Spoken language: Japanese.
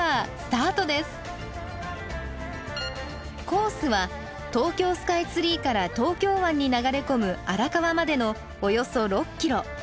コースは東京スカイツリーから東京湾に流れ込む荒川までのおよそ６キロ。